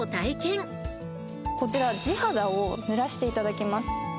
こちら地肌をぬらしていただきます。